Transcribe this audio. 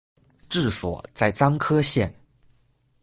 治所在牂牁县。